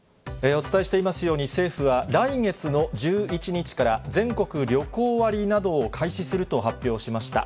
お伝えしていますように、政府は来月の１１日から、全国旅行割などを開始すると発表しました。